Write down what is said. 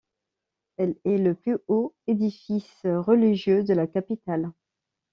Elle est le plus haut édifice religieux de la capitale.